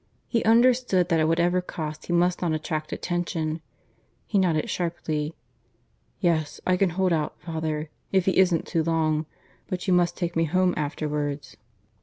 He understood that at whatever cost he must not attract attention. He nodded sharply. "Yes, I can hold out, father; if he isn't too long. But you must take me home afterwards."